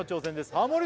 ハモリ